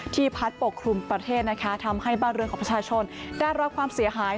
พัดปกคลุมประเทศนะคะทำให้บ้านเรือนของประชาชนได้รับความเสียหาย